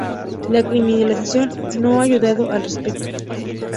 La criminalización no ha ayudado al respecto".